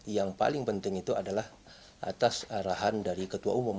yang paling penting itu adalah atas arahan dari ketua umum